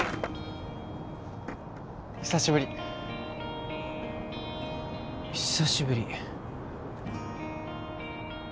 久しぶり久しぶり